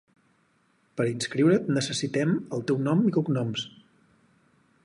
Per inscriure't necessitem el teu nom i cognoms.